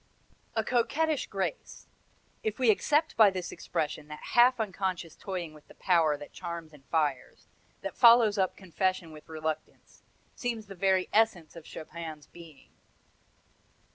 "A coquettish grace if we accept by this expression that half unconscious toying with the power that charms and fires, that follows up confession with reluctance seems the very essence of Chopin's being."